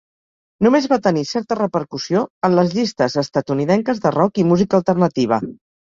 Només va tenir certa repercussió en les llistes estatunidenques de rock i música alternativa.